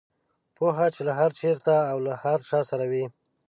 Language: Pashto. پوهه چې هر چېرته او له هر چا سره وي.